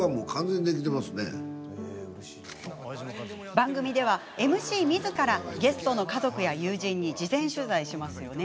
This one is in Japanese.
番組ではＭＣみずからゲストの家族や友人に事前取材します。